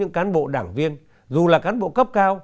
những cán bộ đảng viên dù là cán bộ cấp cao